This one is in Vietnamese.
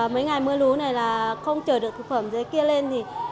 mấy ngày mưa lú này là không chở được thực phẩm từ dưới kia lên